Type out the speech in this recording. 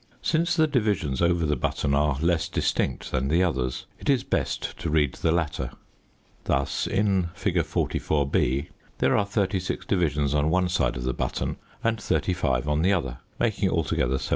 Since the divisions over the button are less distinct than the others, it is best to read the latter. Thus, in fig. 44_b_, there are 36 divisions on one side of the button, and 35 on the other, making altogether 71.